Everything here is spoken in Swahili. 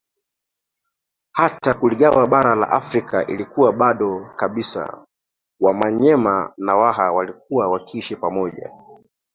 Hata kuligawa bara la Afrika ilikuwa bado kabisa wamanyema na waha walikuwa wakiishi pamoja